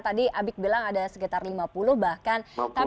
tadi abik bilang ada sekitar lima puluh bahkan